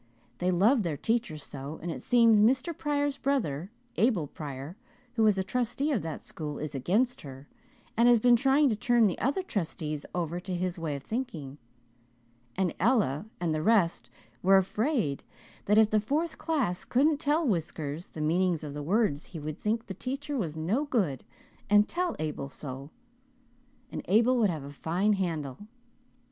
They love their teacher so, and it seems Mr. Pryor's brother, Abel Pryor, who is trustee of that school, is against her and has been trying to turn the other trustees over to his way of thinking. And Ella and the rest were afraid that if the fourth class couldn't tell Whiskers the meanings of the words he would think the teacher was no good and tell Abel so, and Abel would have a fine handle.